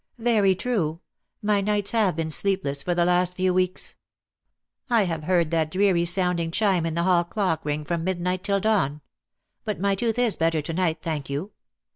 "Very true. My nights have been sleepless for the last few weeks. I have heard that dreary sounding chime in the hall clock ring from midnight till dawn. But my tooth is better to night, thank you.